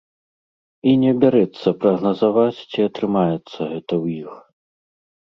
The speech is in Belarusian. І не бярэцца прагназаваць, ці атрымаецца гэта ў іх.